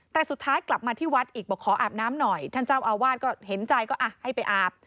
แต่สุดท้ายกลับมาที่วัดอีกบอกขออาบน้ำหน่อยท่านเจ้าอาวาสก็เห็นใจก็ให้ไปอาบ